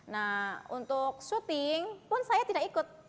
nah untuk syuting pun saya tidak ikut